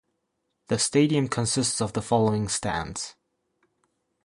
The stadium consists of the following stands.